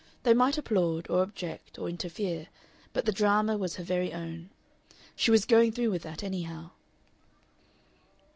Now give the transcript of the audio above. They might applaud, or object, or interfere, but the drama was her very own. She was going through with that, anyhow.